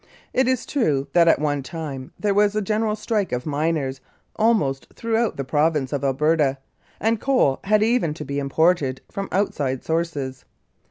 It is true that at one time there was a general strike of miners almost throughout the Province of Alberta, and coal had even to be imported from outside sources.